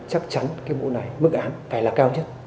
chắc chắn mức án phải là cao nhất